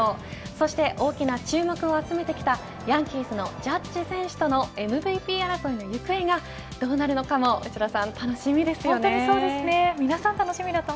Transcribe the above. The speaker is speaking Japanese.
そして大きな注目を集めてきたヤンキースのジャッジ選手とのＭＶＰ争いの行方がどうなるのかも楽しみですね。